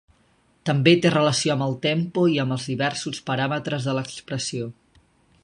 També té relació amb el tempo i amb els diversos paràmetres de l'expressió.